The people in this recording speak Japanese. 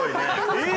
えっ！？